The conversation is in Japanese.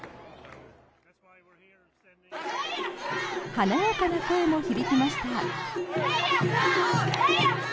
華やかな声も響きました。